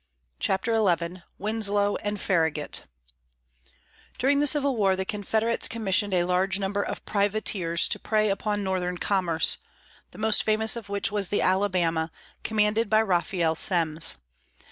CHAPTER XI WINSLOW AND FARRAGUT During the Civil War, the Confederates commissioned a large number of privateers to prey upon Northern commerce, the most famous of which was the Alabama, commanded by Raphael Semmes.